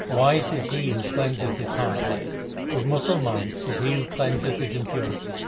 Wise is he who cleanseth his heart : A Musalman is he who cleanseth his impurity.